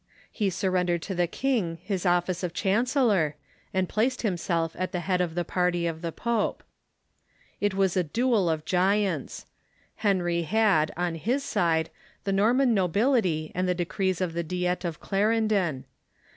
He surrendered to the king his office of chancellor, and placed himself at the head of the party of the pope. It was a duel of giants. Henry had, on his side, the Norman nobility and the decrees of the Diet of Clarendon.